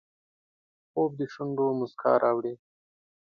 خوب د شونډو مسکا راوړي